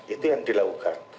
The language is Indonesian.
itu yang dilakukan